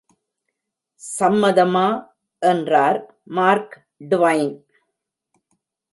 சம்மதமா? என்றார் Mark Dwayne.